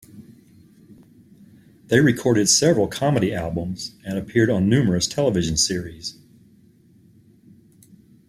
They recorded several comedy albums and appeared on numerous television series.